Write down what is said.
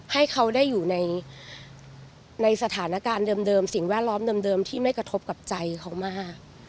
ให้เขาได้อยู่ในสถานการณ์เดิมสิ่งแวดล้อมเดิมที่ไม่กระทบกับใจเขามาก